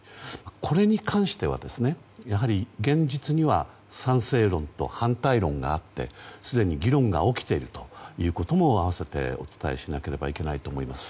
これに関してはやはり、現実には賛成論と反対論があってすでに議論が起きているということも併せてお伝えしないといけないと思います。